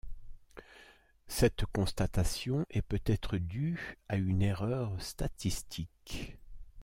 Cette constatation est peut-être due à une erreur statistique.